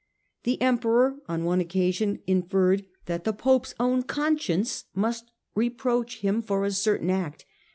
The Emperor on one occasion inferred that the Pope's own conscience must reproach him for a certain act.